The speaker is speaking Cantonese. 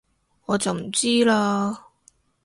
我就唔知喇